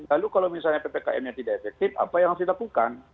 lalu kalau misalnya ppkm nya tidak efektif apa yang harus dilakukan